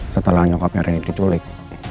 setelah nyokapnya rendy diculik